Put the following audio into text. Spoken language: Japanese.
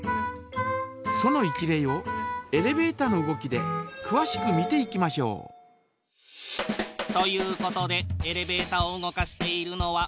その一例をエレベータの動きでくわしく見ていきましょう。ということでエレベータを動かしているのは。